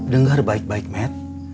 dengar baik baik med